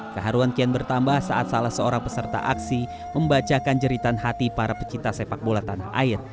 keharuan kian bertambah saat salah seorang peserta aksi membacakan jeritan hati para pecinta sepak bola tanah air